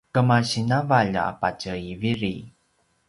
kemasi navalj a patje i viri